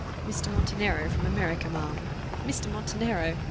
"Mr. Montenero, from America, ma'am." "Mr. Montenero!